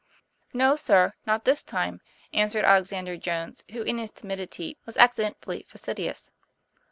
"No, sir; not this time," answered Alexander Jones, who in his timidity was accidentally face tious.